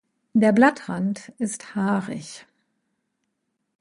Der Blattrand ist haarig.